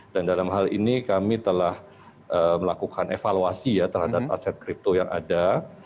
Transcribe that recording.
dan dalam hal ini kami telah melakukan evaluasi ya terhadap aset kripto yang ada